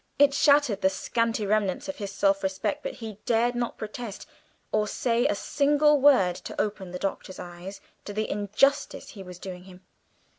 It shattered the scanty remnants of his self respect, but he dared not protest or say a single word to open the Doctor's eyes to the injustice he was doing him.